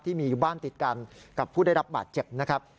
ที่มีอยู่บ้านติดกันกับผู้ได้รับบาดเจ็บนะครับ